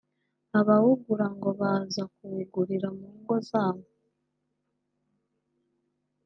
Abawugura ngo baza kuwugurira mu ngo zabo